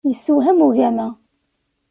Yessewham ugama.